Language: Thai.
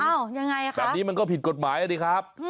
อ้าวยังไงครับแบบนี้มันก็ผิดกฎหมายแล้วดิครับ